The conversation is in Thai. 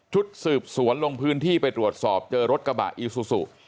ชุดสืบสวนลงพื้นที่ไปตรวจสอบเจอรถกระบะอีซูซู